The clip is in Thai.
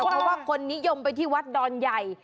เพราะว่าคนนิยมไปที่วัดดอนใหญ่